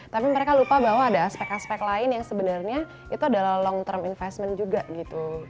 tapi mereka lupa bahwa ada aspek aspek lain yang sebenarnya itu adalah long term investment juga gitu